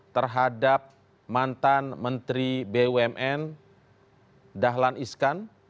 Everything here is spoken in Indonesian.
terhadap mantan menteri bumn dahlan iskan